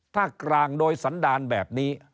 ถ้ากลางโดยสันดารแบบนี้